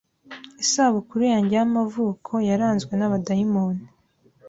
Isabukuru yanjye y'amavuko yaranzwe n'abadayimoni